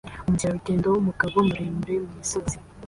Umukerarugendo wumugabo muremure mumisozi